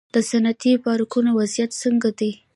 د صنعتي پارکونو وضعیت څنګه دی؟